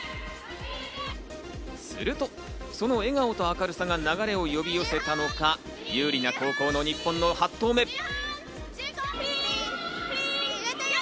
すると、その笑顔と明るさが流れを呼び寄せたのか、有利な後攻の日本の８投目。